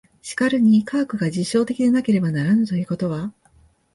しかるに科学が実証的でなければならぬということは、